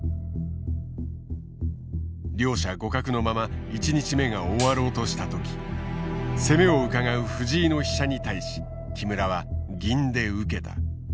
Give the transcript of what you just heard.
両者互角のまま１日目が終わろうとした時攻めをうかがう藤井の飛車に対し木村は銀で受けた。